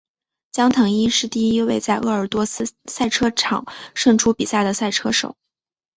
江腾一是第一位在鄂尔多斯赛车场胜出比赛的赛车手。